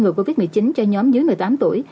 ngừa covid một mươi chín cho nhóm dưới một mươi tám tuổi